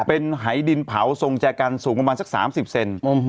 เป็นหายดินเผาทรงแจกันสูงประมาณสัก๓๐เซน